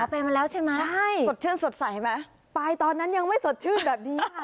ไปมาแล้วใช่ไหมใช่สดชื่นสดใสไหมไปตอนนั้นยังไม่สดชื่นแบบนี้ค่ะ